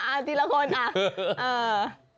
อ่าทีละคนอ่ะ